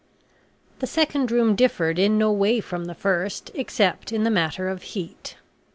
The second room differed in no way from the first, except in the matter of heat.